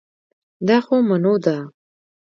دا خو منو ده